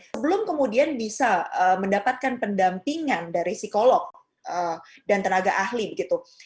sebelum kemudian bisa mendapatkan pendampingan dari psikolog dan tenaga ahli begitu